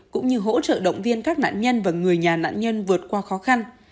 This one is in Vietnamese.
cũng như hỗ trợ động viên các nạn nhân và người nhà nạn nhân vượt qua khó khăn